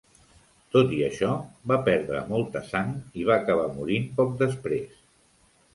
Tot i això, va perdre molta sang i va acabar morint poc després.